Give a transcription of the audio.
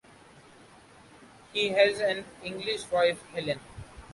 He has an English wife, Helen.